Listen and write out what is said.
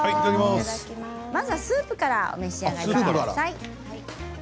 まずはスープからお召し上がりください。